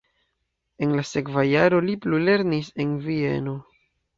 En la sekva jaro li plulernis en Vieno.